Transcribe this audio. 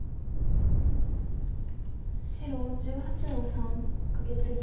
白１８の三カケツギ。